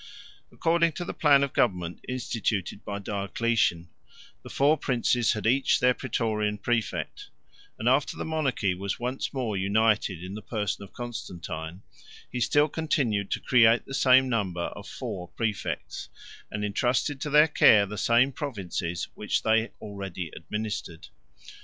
According to the plan of government instituted by Diocletian, the four princes had each their Prætorian præfect; and after the monarchy was once more united in the person of Constantine, he still continued to create the same number of Four Præfects, and intrusted to their care the same provinces which they already administered.